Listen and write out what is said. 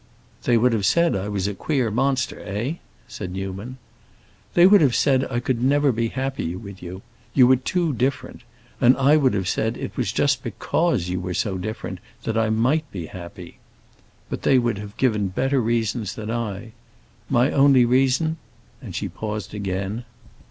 "They would have said I was a queer monster, eh?" said Newman. "They would have said I could never be happy with you—you were too different; and I would have said it was just because you were so different that I might be happy. But they would have given better reasons than I. My only reason"—and she paused again.